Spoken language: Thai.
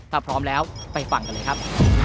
ถ้าพร้อมแล้วไปฟังกันเลยครับ